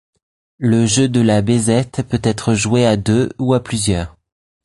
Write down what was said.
Le jeu de la bézette peut être joué à deux ou à plusieurs.